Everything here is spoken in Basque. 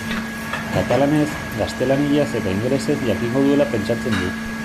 Katalanez, gaztelaniaz eta ingelesez jakingo duela pentsatzen dut.